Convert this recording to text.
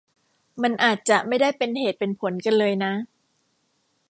มันอาจจะไม่ได้เป็นเหตุเป็นผลกันเลยนะ